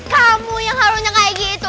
kamu yang harusnya kayak gitu